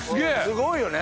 すごいよね？